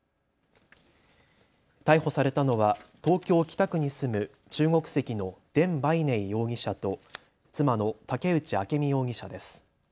逮捕されたのは東京北区に住む中国籍の田倍寧容疑者と妻の竹内朱実容疑者です。